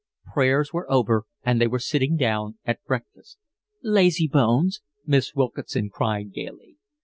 Prayers were over, and they were sitting down at breakfast. "Lazybones," Miss Wilkinson cried gaily.